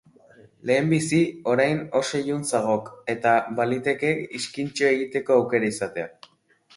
Lehenbizi, orain oso ilun zagok, eta balitekek iskintxo egiteko aukera izatea.